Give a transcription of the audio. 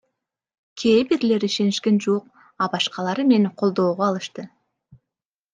Кээ бирлери ишенишкен жок, а башкалары мени колдоого алышты.